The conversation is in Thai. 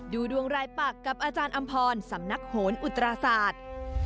ดูดวงรายปักกับอาจารย์อำพรสำนักโหนอุตราศาสตร์